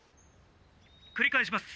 「くり返します。